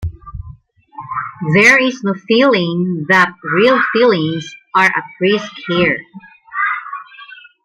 There is no feeling that real feelings are at risk here.'.